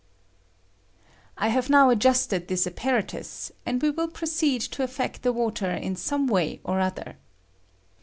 I have now adjusted this apparatus, and we will proceed to affect the water in some way or other.